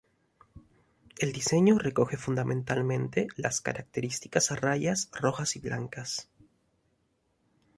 El diseño recoge fundamentalmente las características rayas rojas y blancas.